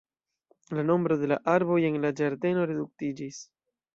La nombro de la arboj en la ĝardeno reduktiĝis.